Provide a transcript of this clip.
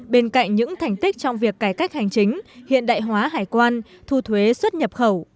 bên cạnh những thành tích trong việc cải cách hành chính hiện đại hóa hải quan thu thuế xuất nhập khẩu